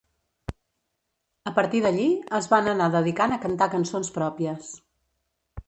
A partir d'allí es van anar dedicant a cantar cançons pròpies.